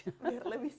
biar lebih enak